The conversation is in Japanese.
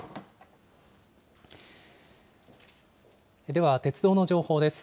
では、鉄道の情報です。